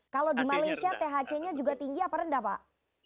kalau di malaysia thc nya juga tinggi apa rendah pak